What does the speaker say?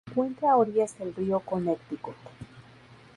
Se encuentra a orillas del río Connecticut.